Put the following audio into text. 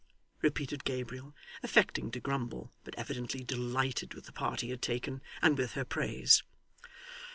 repeated Gabriel, affecting to grumble, but evidently delighted with the part he had taken, and with her praise.